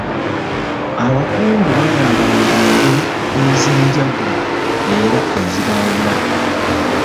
Abakungu bayambalanga mu ngeri ez‘enjawulo era ezibaawula.